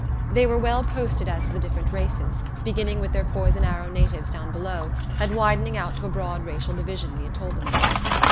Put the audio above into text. They were well posted as to the different races, beginning with their poison arrow natives down below and widening out to the broad racial divisions we had told them about.